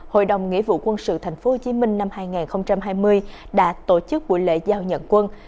hội đồng nghĩa vụ quân sự tp hcm năm hai nghìn hai mươi đã tổ chức buổi lễ giao nhận quân